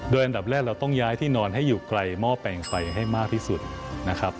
อันดับแรกเราต้องย้ายที่นอนให้อยู่ไกลหม้อแปลงไฟให้มากที่สุดนะครับ